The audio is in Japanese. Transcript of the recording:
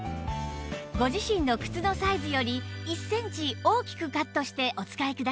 ご自身の靴のサイズより１センチ大きくカットしてお使いください